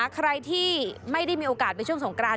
ใครที่ไม่ได้มีโอกาสไปช่วงสงกราน